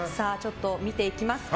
見ていきますか。